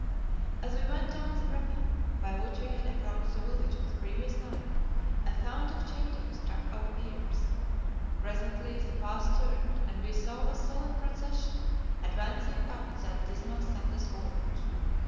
As we went down the ravine by which we had approached the village on the previous night, a sound of chanting struck our ears. Presently the path turned, and we saw a solemn procession advancing up that dismal, sunless gorge.